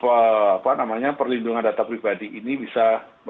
apa namanya perlindungan data pribadi ini bisa